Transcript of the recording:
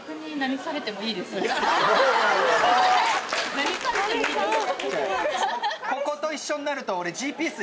何されてもいいです。